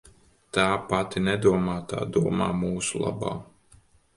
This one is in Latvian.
Tā pati nedomā, tā domā mūsu labā.